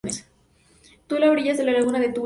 Tula a orillas de la laguna de Tula.